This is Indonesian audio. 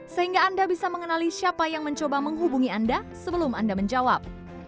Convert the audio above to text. sehingga anda bisa mengenali siapa yang mencoba menghubungi anda sebelum anda menjawab